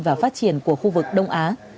và phát triển của khu vực đông á